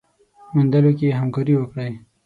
موندلو کي يې همکاري وکړئ